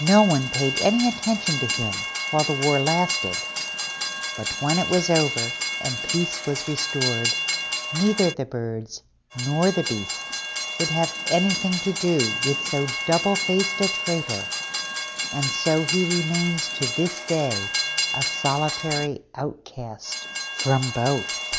No one paid any attention to him while the war lasted: but when it was over, and peace was restored, neither the Birds nor the Beasts would have anything to do with so double faced a traitor, and so he remains to this day a solitary outcast from both.